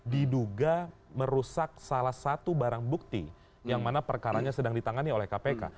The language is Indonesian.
diduga merusak salah satu barang bukti yang mana perkaranya sedang ditangani oleh kpk